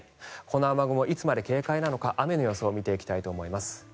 この雨雲いつまで警戒なのか雨の予想を見ていきたいと思います。